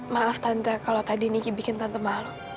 maaf tante kalau tadi niki bikin tante malu